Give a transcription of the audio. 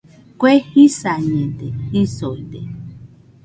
Kue jisañede isoide